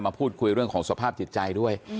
พูดคุยเรื่องของสภาพจิตใจด้วย